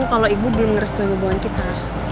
kalo ibu denger setelah hubungan kita